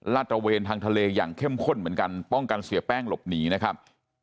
ตระเวนทางทะเลอย่างเข้มข้นเหมือนกันป้องกันเสียแป้งหลบหนีนะครับ